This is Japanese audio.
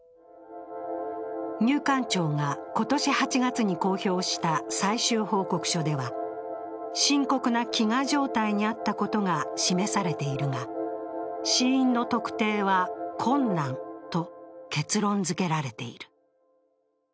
入管庁が今年８月に公表した最終報告書では深刻な飢餓状態にあったことが示されているが、死因の特定は困難と結論づけられている。